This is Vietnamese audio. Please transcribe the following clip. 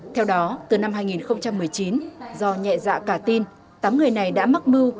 theo đó từ năm hai nghìn một mươi chín do nhẹ dạ cả tin tám người này đã mắc mưu